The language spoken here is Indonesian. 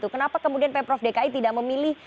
kenapa kemudian pemprov dki tidak memilih